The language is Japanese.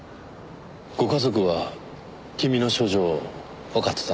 ご家族は君の症状をわかってたの？